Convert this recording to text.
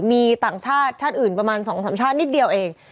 มีต่างชาติชาติอื่นประมาณ๒๓ชาตินิดเดียวเอง